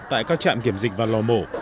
tại các trạm kiểm dịch và lò mổ